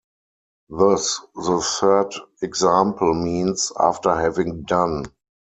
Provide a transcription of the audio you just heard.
Thus the third example means "After having done".